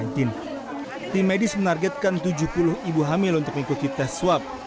tim medis menargetkan tujuh puluh ibu hamil untuk mengikuti tes swab